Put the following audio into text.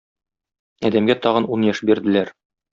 Адәмгә тагын ун яшь бирделәр.